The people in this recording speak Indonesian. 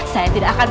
saya tidak akan